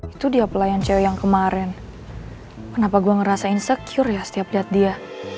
itu dia pelayan cewek yang kemarin kenapa gue ngerasa insecure ya setiap liat dia